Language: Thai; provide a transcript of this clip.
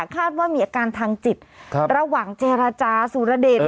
คาดว่ามีอาการทางจิตระหว่างเจรจาสุรเดช